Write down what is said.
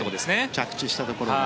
着地したところに。